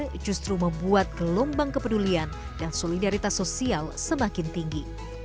di tanah air justru membuat gelombang kepedulian dan solidaritas sosial semakin tinggi